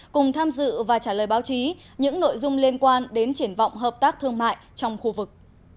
cùng tham dự và trả lời báo chí những nội dung liên quan đến triển vọng hợp tác thương mại trong khu vực